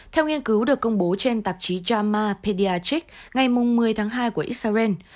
theo nghiên cứu được công bố trên tạp chí jama pediatric ngày một mươi tháng hai của xrn